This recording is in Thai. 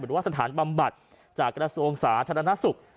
หรือว่าสถานบำบัดจากกระทรวงสาธารณสุข